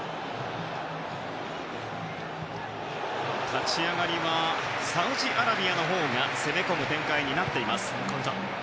立ち上がりはサウジアラビアのほうが攻め込む展開になっています。